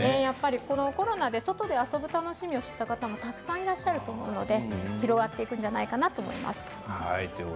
コロナで外で遊ぶ楽しみをたくさん知った方がいるので広がっていくんじゃないかなと思います。